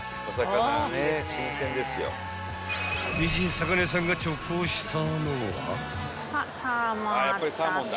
［美人魚屋さんが直行したのは］